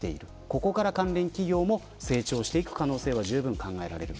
ここから関連企業も成長していく可能性がじゅうぶん考えられる。